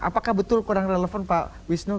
apakah betul kurang relevan pak wisnu